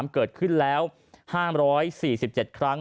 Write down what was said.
เกิดขึ้นแล้ว๕๔๗ครั้ง